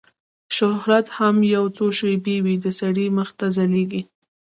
شهرت هم یو څو شېبې وي د سړي مخ ته ځلیږي